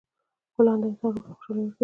ګلان د انسان روح ته خوشحالي ورکوي.